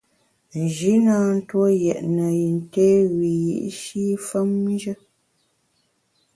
Nji na ntue yètne yin té wiyi’shi femnjù.